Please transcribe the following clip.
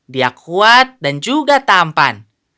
dia kuat dan juga tampan